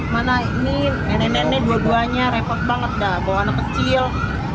mana ini nenek nenek dua duanya repot banget dah bawa anak kecil